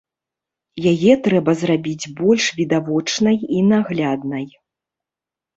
Яе трэба зрабіць больш відавочнай і нагляднай.